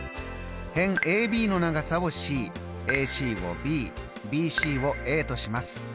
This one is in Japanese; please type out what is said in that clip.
辺ＡＢの長さをＣＡＣをｂＢＣをとします。